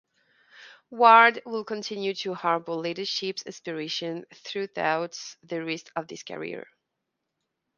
Ward would continue to harbour leadership aspirations throughout the rest of his career.